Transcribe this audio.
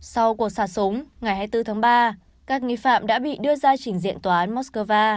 sau cuộc xả súng ngày hai mươi bốn tháng ba các nghi phạm đã bị đưa ra trình diện tòa án moscow